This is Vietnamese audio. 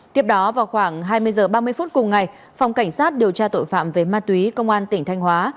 tiếp đó vào khoảng hai mươi h ba mươi phút cùng ngày phòng cảnh sát điều tra tội phạm về ma túy công an tỉnh thanh hóa